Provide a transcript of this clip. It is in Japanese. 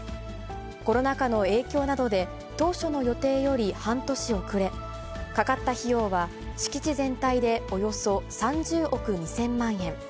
コロナ禍の影響などで、当初の予定より半年遅れ、かかった費用は、敷地全体でおよそ３０億２０００万円。